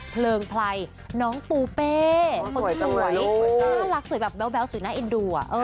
เพลิงไพรน้องปูเปสวยสวยน่ารักสวยแบบแบบแบ๊วสวยหน้าเอ็ดดูอ่ะ